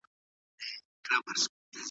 وعده ساتل د انسان عزت دی